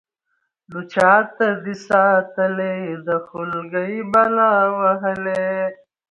نو چاته دې ساتلې ده خولكۍ بلا وهلې.